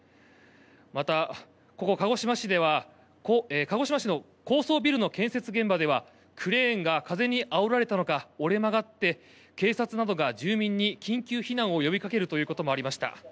また、ここ鹿児島市の高層ビルの建設現場ではクレーンが風にあおられたのか折れ曲がって警察などが住民に緊急避難を呼びかけるということもありました。